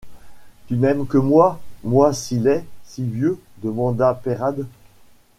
Tu n’aimes que moi, moi si laid, si vieux ? demanda Peyrade.